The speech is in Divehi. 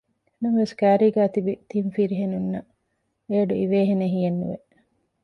ނަމަވެސް ކައިރީގައި ތިބި ތިން ފިރިހެނުންނަށް އެއަޑު އިވޭ ހެނެއް ހިޔެއްނުވެ